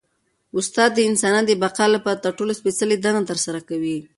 استاد د انسانیت د بقا لپاره تر ټولو سپيڅلي دنده ترسره کوي.